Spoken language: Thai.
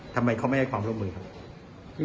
ทำไมเขาไม่ให้ความร่วมมือครับ